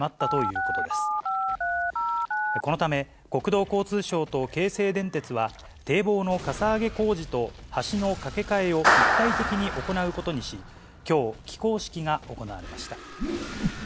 このため、国土交通省と京成電鉄は、堤防のかさ上げ工事と橋の架け替えを一体的に行うことにし、きょう、起工式が行われました。